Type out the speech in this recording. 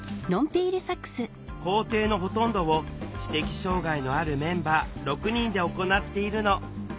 工程のほとんどを知的障害のあるメンバー６人で行っているの。